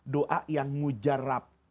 doa yang mujarab